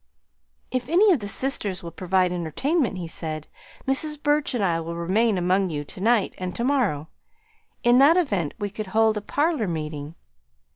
"If any of the sisters will provide entertainment," he said, "Mrs. Burch and I will remain among you to night and to morrow. In that event we could hold a parlor meeting.